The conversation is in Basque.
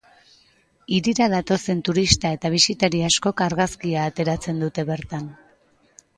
Hirira datozen turista eta bisitari askok argazkia ateratzen dute bertan.